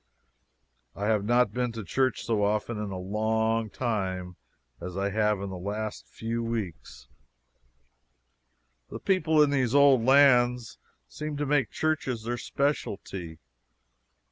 I have not been to church so often in a long time as I have in the last few weeks. The people in these old lands seem to make churches their specialty.